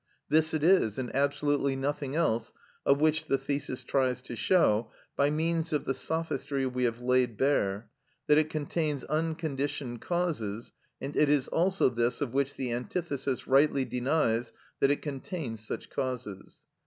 This it is, and absolutely nothing else, of which the thesis tries to show, by means of the sophistry we have laid bare, that it contains unconditioned causes, and it is also this of which the antithesis rightly denies that it contains such causes.